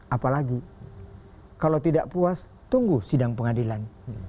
apalagi kalau tidak puas tunggu sidang pengadilan